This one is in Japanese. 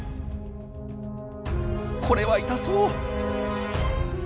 これは痛そう。